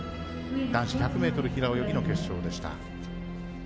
男子１００ｍ平泳ぎの決勝でした。